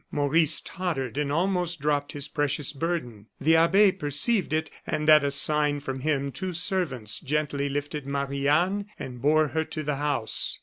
Maurice tottered, and almost dropped his precious burden. The abbe perceived it, and at a sign from him, two servants gently lifted Marie Anne, and bore her to the house.